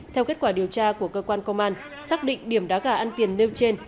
theo kết quả điều tra của cơ quan công an xác định điểm đá gà ăn tiền nêu trên